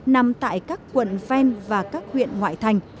nằm tại các quận ven và các huyện ngoại thành